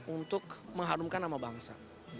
untuk mengharumkan nama bangsa